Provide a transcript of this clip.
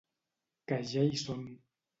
Que ja hi són.